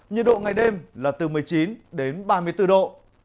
nhiệt độ ngày đêm là từ một mươi chín đến ba mươi bốn độ